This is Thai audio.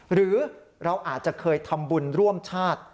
หรือเราอาจจะเคยทำบุญร่วมชาติ